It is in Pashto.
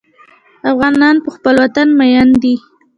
افغانان په خپل وطن مین دي.